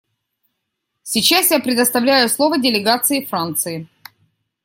Сейчас я предоставляю слово делегации Франции.